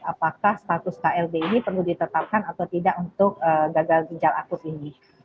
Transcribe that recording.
apakah status klb ini perlu ditetapkan atau tidak untuk gagal ginjal akut ini